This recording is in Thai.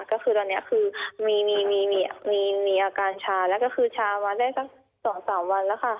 ก็คือตอนนี้คือมีอาการชาแล้วชามาได้สักสองสามวันแล้วค่ะ